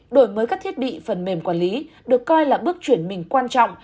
đổi mới các thiết bị phần mềm quản lý được coi là bước chuyển mình quan trọng